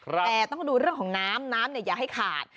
แต่ต้องดูเรื่องของน้ำน้ำอย่าให้ขาด